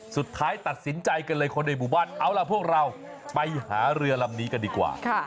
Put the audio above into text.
สุดท้ายตัดสินใจกันเลยคนในหมู่บ้านเอาล่ะพวกเราไปหาเรือลำนี้กันดีกว่า